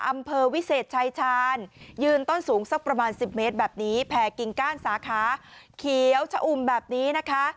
อำเภอวิเศษชายชาญยืนต้นสูงสักประมาณ๑๐เมตรแบบนี้แผ่กิ่งก้านสาขาเขียวชะอุ่มแบบนี้นะคะ